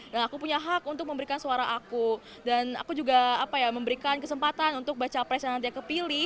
dan aku punya hak untuk memberikan suara aku dan aku juga apa ya memberikan kesempatan untuk baca pres yang nanti akan dipilih